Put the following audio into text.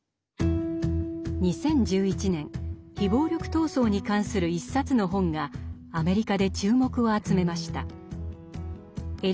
２０１１年非暴力闘争に関する一冊の本がアメリカで注目を集めました。